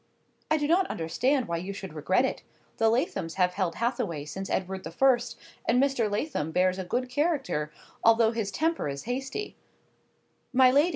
"I do not understand why you should regret it. The Lathoms have held Hathaway since Edward the First, and Mr. Lathom bears a good character, although his temper is hasty—" "My lady!